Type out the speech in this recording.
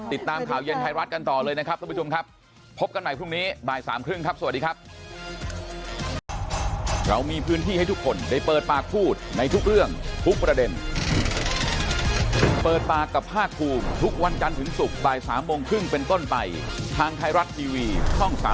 ติดตามข่าวเย็นไทยรัฐกันต่อเลยนะครับท่านผู้ชมครับพบกันใหม่พรุ่งนี้บ่ายสามครึ่งครับสวัสดีครับ